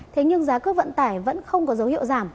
thế nhưng giá cước vận tải vẫn không có dấu hiệu giảm